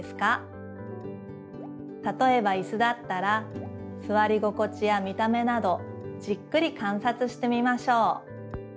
たとえばイスだったらすわり心地や見た目などじっくり観察してみましょう。